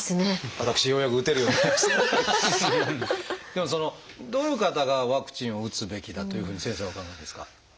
でもどういう方がワクチンを打つべきだというふうに先生はお考えですか？